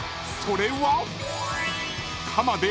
［それは］